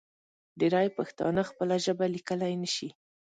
ډېری پښتانه خپله ژبه لیکلی نشي.